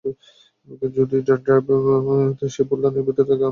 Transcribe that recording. যদি ড্রাইভ সেই ফুলদানির ভিতরে থাকে, আমি আমি ইলেকট্রনিক স্বাক্ষর ট্যাগ করতে পারবো।